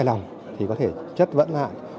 hài lòng thì có thể chất vấn lại